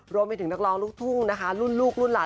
รวมให้ถึงนักร้องลุคลุ้นรุ่นหลาน